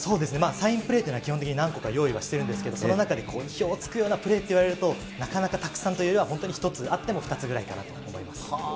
サインプレーというのは、基本的に何個か用意はしてるんですけれども、その中で意表を突くようなプレーって言われると、なかなかたくさんというよりは本当に１つ、あっても２つぐらいかなと思います。